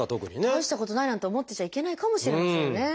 たいしたことないなんて思ってちゃいけないかもしれないですよね。